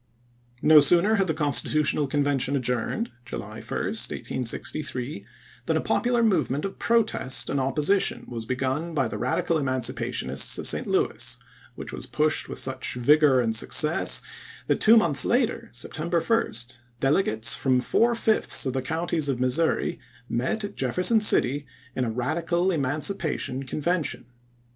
No sooner had the Constitutional Convention adjourned (July 1, 1863) than a popular move ment of protest and opposition was begun by the Radical Emancipationists of St. Louis, which was pushed with such vigor and success that two months later (September 1) delegates from four fifths of the counties of Missouri met at Jefferson City in a Radical Emancipation Convention.